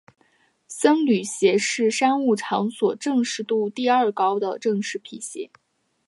僧侣鞋是商务场所正式度第二高的正装皮鞋。